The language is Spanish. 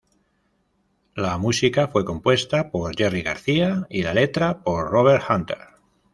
La música fue compuesta por Jerry Garcia y la letra por Robert Hunter.